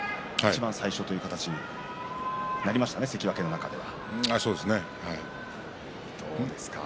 馬山いちばん最初ということになりますね、関脇の中では。